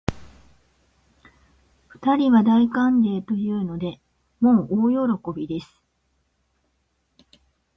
二人は大歓迎というので、もう大喜びです